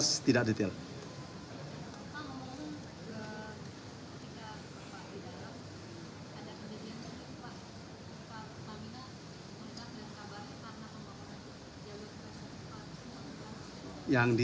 apa ngomong ketika di daerah ada kondisi yang terjadi